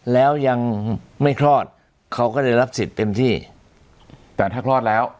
แล้วยังไม่คลอดเขาก็ได้รับสิทธิ์เต็มที่แต่ถ้าคลอดแล้ว